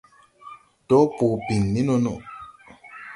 Dɔɔ bɔɔ biŋni nono.